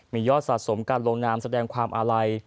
มียอดสะสมการลงนามแสดงความอาลัย